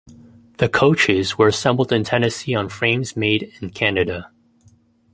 The coaches were assembled in Tennessee on frames made in Canada.